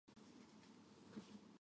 川崎民商事件